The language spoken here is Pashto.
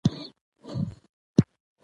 اختيار مند او مالک دی د ورځي د جزاء او سزاء